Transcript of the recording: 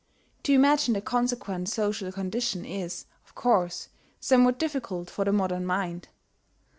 To imagine the consequent social condition is, of course, somewhat difficult for the modern mind.